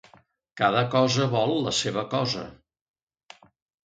Cada cosa vol la seva cosa.